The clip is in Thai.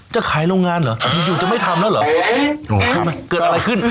จะขายโรงงานเหรอจะไม่ทำแล้วเหรอโอ้ครับเกิดอะไรขึ้น